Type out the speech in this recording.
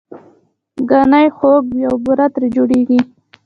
ګنی خوږ وي او بوره ترې جوړیږي